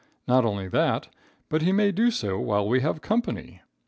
Not only that, but he may do so while we have company.